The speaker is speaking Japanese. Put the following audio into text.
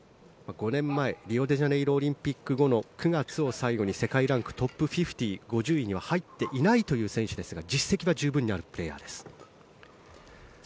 ５年前、リオデジャネイロオリンピック後の９月を最後に世界ランクトップ５０位には入っていないという選手ですが実績は十分にあるプレーヤーです。